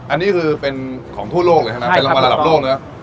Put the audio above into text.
อันนี้คือเป็นของทั่วโลกเลยใช่ไหมเป็นรางวัลระดับโลกนะ